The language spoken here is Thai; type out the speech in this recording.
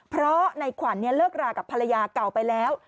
เพราะในขวัญเลิกรากับภรรยาเก่าไปแล้ว